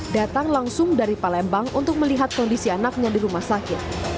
datang langsung dari palembang untuk melihat kondisi anaknya di rumah sakit